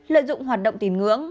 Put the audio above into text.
lợi dụng hoạt động tín ngưỡng